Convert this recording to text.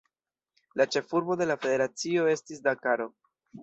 La ĉefurbo de la federacio estis Dakaro.